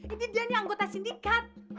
ini dia nih anggota sindikat